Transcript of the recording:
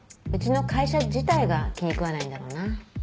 うちの会社自体が気に食わないんだろうな。